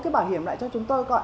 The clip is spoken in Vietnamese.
cái bảo hiểm lại cho chúng tôi